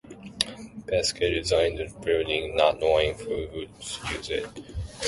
Becket designed the building not knowing who would use it.